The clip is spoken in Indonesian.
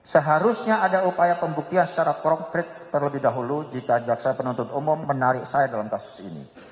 seharusnya ada upaya pembuktian secara konkret terlebih dahulu jika jaksa penuntut umum menarik saya dalam kasus ini